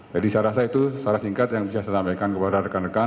jadi saya rasa itu secara singkat yang bisa saya sampaikan kepada rekan rekan